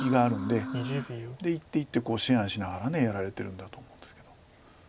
で一手一手思案しながらやられてるんだと思うんですけど。